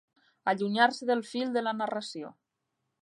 Allunyar-se del fil de la narració.